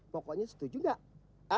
pokoknya setuju nggak